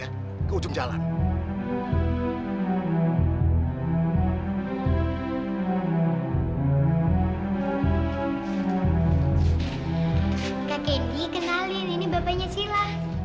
kak kendi kenalin ini bapaknya sila